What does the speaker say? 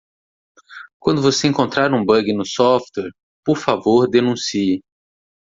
Quando você encontrar um bug no software?, por favor denuncie.